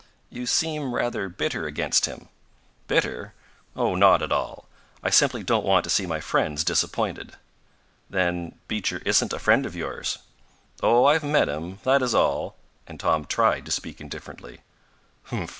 "You seem rather bitter against him." "Bitter? Oh, not at all. I simply don't want to see my friends disappointed." "Then Beecher isn't a friend of yours?" "Oh, I've met him, that is all," and Tom tried to speak indifferently. "Humph!"